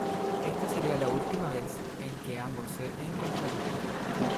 Esta sería la última vez en que ambos se encontrarían.